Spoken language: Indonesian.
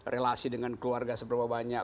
relasi dengan keluarga seberapa banyak